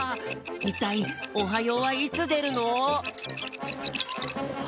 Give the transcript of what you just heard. いったい「おはよう」はいつでるの？